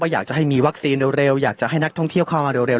อยากจะให้มีวัคซีนเร็วอยากจะให้นักท่องเที่ยวเข้ามาเร็ว